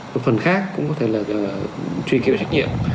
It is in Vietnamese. một phần khác cũng có thể là truy kiếm trách nhiệm